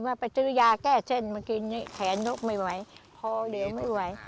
มาประตือยาแก้เส้นมากินนะแคนลุกไม่ไหว